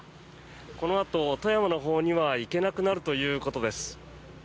このあと富山のほうには行けなくなるということです。